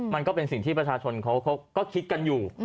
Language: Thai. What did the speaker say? มันก็เป็นสิ่งที่ประชาชนเขาก็คิดกันอยู่